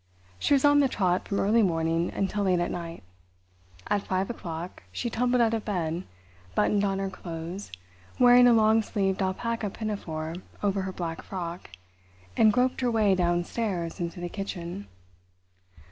She was on the trot from early morning until late at night. At five o'clock she tumbled out of bed, buttoned on her clothes, wearing a long sleeved alpaca pinafore over her black frock, and groped her way downstairs into the kitchen.